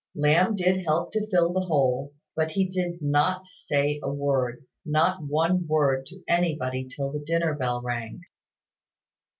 Lamb did help to fill the hole, but he did not say a word not one word to anybody till the dinner bell rang.